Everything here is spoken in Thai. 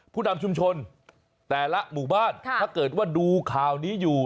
ผู้นำชุมชนแต่ละหมู่บ้านถ้าเกิดว่าดูข่าวนี้อยู่